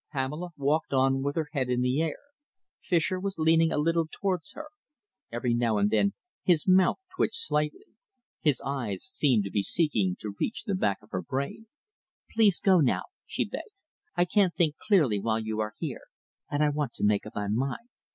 Pamela walked on with her head in the air. Fischer was leaning a little towards her. Every now and then his mouth twitched slightly. His eyes seemed to be seeking to reach the back of her brain. "Please go now," she begged. "I can't think clearly while you are here, and I want to make up my mind.